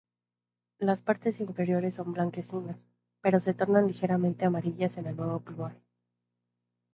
Las partes inferiores son blanquecinas, pero se tornan ligeramente amarillas en el nuevo plumaje.